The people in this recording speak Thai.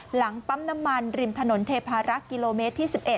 หลังปั๊มน้ำมันริมถนนเทพารักษ์กิโลเมตรที่๑๑